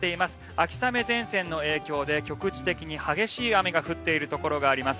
秋雨前線の影響で局地的に激しい雨が降っているところがあります。